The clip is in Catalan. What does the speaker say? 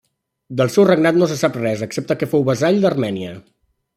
Del seu regnat no se'n sap res excepte que fou vassall d'Armènia.